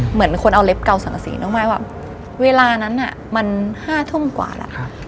เหมือนคนเอาเล็บเกาสังกษีน้องมายว่าเวลานั้นมัน๕ทุ่มกว่าแล้ว